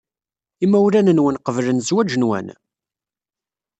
Imawlan-nwen qeblen zzwaj-nwen?